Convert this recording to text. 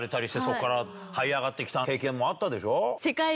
経験もあったでしょ？